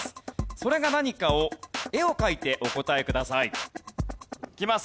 それが何かを絵を描いてお答えください。いきます。